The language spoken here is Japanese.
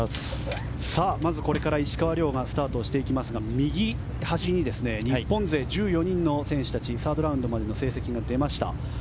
まずこれから石川遼がスタートをしていきますが日本勢１４人の選手たちサードラウンドまでの成績が出ました。